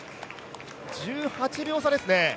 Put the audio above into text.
１８秒差ですね。